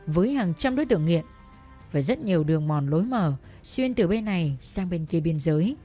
với hàng trăm đối tượng nghiện và rất nhiều đường mòn lối mở xuyên từ bên này sang bên kia biên giới